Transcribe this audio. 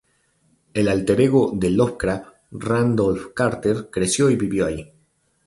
El alter ego de Lovecraft, Randolph Carter creció y vivió allí.